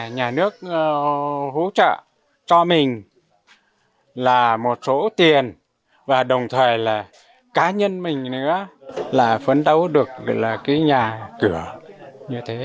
nhà nước hỗ trợ cho mình là một số tiền và đồng thời là cá nhân mình nữa là phấn đấu được là cái nhà cửa như thế